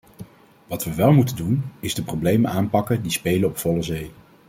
Wat we wel moeten doen, is de problemen aanpakken die spelen op volle zee.